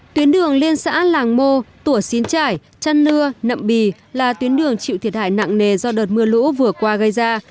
tuyến đường liên xã làng mô tủa xín trải chăn nưa nậm bì là tuyến đường chịu thiệt hại nặng nề do đợt mưa lũ vừa qua gây ra